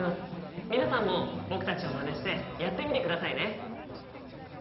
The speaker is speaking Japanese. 皆さんも僕たちをまねしてやってみてくださいね。